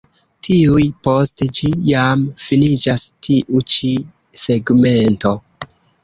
Tuj post ĝi jam finiĝas tiu ĉi segmento.